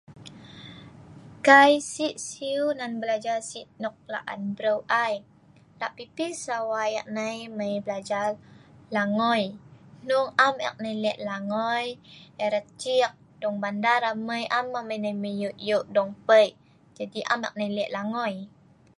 kai sik siu nan belajar sik nok la'an breu ai, lak pi pi sawai ek nai mei belajar langoi, hnung am ek nai lek langoi erat cik, dong bandar amai, am amai nai mei yuk yuk dong pei, jadi am ek nai lek langoi